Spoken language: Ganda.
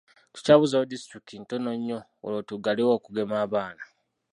Tukyabuzaayo disitulikiti ntono nnyo olwo tugalewo okugema abaana.